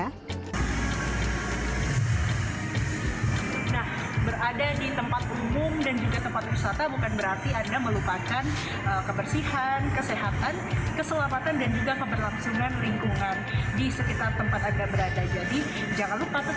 nah berada di tempat umum dan juga tempat wisata bukan berarti anda melupakan kebersihan kesehatan keselamatan dan juga keberlangsungan lingkungan di sekitar tempat anda berada jadi jangan lupa tetap